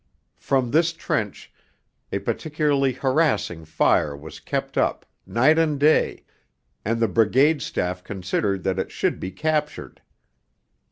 From this trench a particularly harassing fire was kept up, night and day, and the Brigade Staff considered that it should be captured.